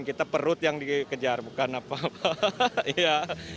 kita perut yang dikejar bukan apa apa